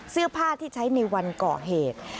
เสื้อผ้าที่ใช้ในวันก่อเหตุ